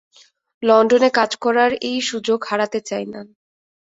লণ্ডনে কাজ করার এই সুযোগ হারাতে চাই না।